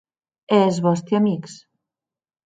E es vòsti amics?